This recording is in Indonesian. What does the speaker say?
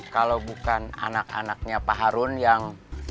kalau bukan anak anaknya pak harun yang